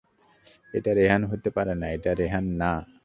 এটা রেহান হতে পারে না, এটা রেহান না!